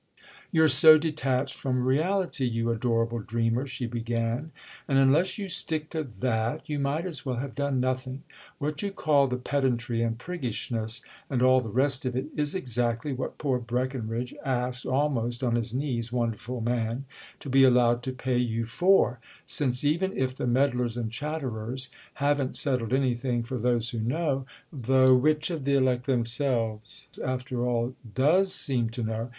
"You're so detached from reality, you adorable dreamer," she began—"and unless you stick to that you might as well have done nothing. What you call the pedantry and priggishness and all the rest of it is exactly what poor Breckenridge asked almost on his knees, wonderful man, to be allowed to pay you for; since even if the meddlers and chatterers haven't settled anything for those who know—though which of the elect themselves after all does seem to know?